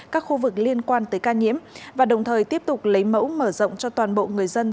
các khu vực liên quan tới ca nhiễm và đồng thời tiếp tục lấy mẫu mở rộng cho toàn bộ người dân